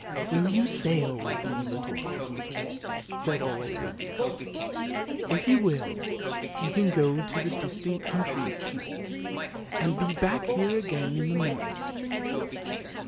" Will you sail with me, little Hialmar? " said Ole Lukoie; " if you will, you can go to distant countries to night, and be back here again in the morning!